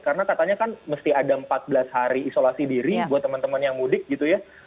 karena katanya kan mesti ada empat belas hari isolasi diri buat teman teman yang mudik gitu ya